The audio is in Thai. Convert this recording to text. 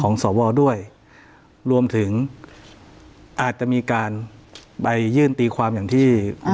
สวด้วยรวมถึงอาจจะมีการไปยื่นตีความอย่างที่